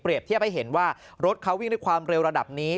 เทียบให้เห็นว่ารถเขาวิ่งด้วยความเร็วระดับนี้